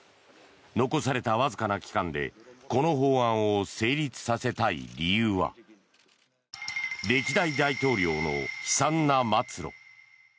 残されたわずかな期間でこの法案を成立させたい理由は歴代大統領の悲惨な末路。